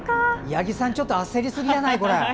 八木さん、ちょっと焦りすぎじゃない？